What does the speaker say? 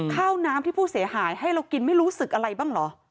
ข้าวน้ำที่ผู้เสียหายให้เรากินไม่รู้สึกอะไรบ้างเหรอ